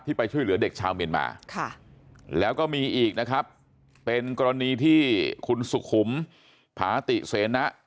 ไปช่วยเหลือเด็กชาวเมียนมาแล้วก็มีอีกนะครับเป็นกรณีที่คุณสุขุมผาติเสนะ